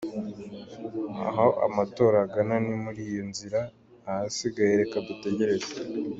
Aho amatora agana ni muriyo nzira, ahasigaye reka dutegereze.